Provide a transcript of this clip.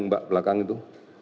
mbak belakang itu